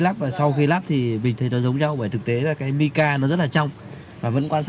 lắp và sau khi lắp thì mình thấy nó giống nhau bởi thực tế là cái mika nó rất là trong và vẫn quan sát